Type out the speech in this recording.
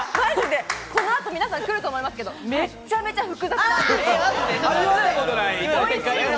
この後、皆さんくると思いますけど、めちゃめちゃ複雑な味。